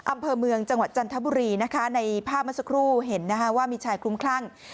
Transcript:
อำเภอเมืองจังหวัดจันทบุรีนะคะในภาพเมื่อสักครู่เห็นนะคะว่ามีชายคลุ้มคลั่ง